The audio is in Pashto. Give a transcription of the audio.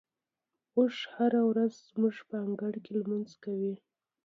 اوښ هره ورځ زموږ په انګړ کې لمونځ کوي.